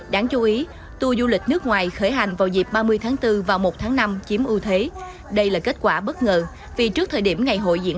đáng chú ý tour du lịch nước ngoài khởi hành vào dịp ba mươi tháng chín